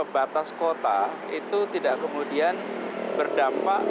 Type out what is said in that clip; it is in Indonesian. batas kota itu tidak kemudian berdampak